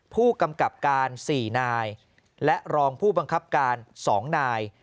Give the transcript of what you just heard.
ผู้กำกับการ๔นายและรองผู้บังคับการ๒นาย